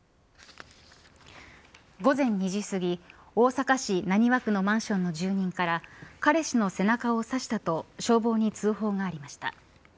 午前２時すぎ、大阪市浪速区のマンションの住人から彼氏の背中を刺したと消防に通報がありました。